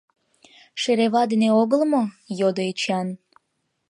Шерева дене огыл мо? — йодо Эчан.